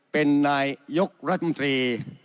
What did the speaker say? เป็นนายยกรัฐมนตรี